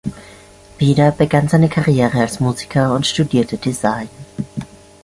Wieder begann seine Karriere als Musiker und studierte Design.